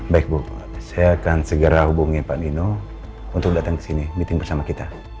baik bu saya akan segera hubungi pak nino untuk datang ke sini meeting bersama kita